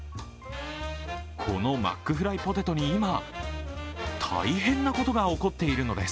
このマックフライポテトに今大変なことが起こっているのです。